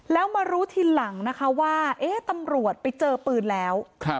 แล้วมารู้ทีหลังนะคะว่าตำรวจไปเจอปืนแล้ว